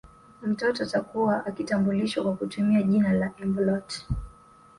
Mtoto atakuwa akitambulishwa kwa kutumia jina la embolet